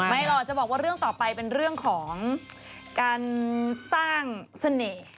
หรอกจะบอกว่าเรื่องต่อไปเป็นเรื่องของการสร้างเสน่ห์